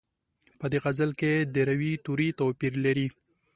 په دې غزل کې د روي توري توپیر لري.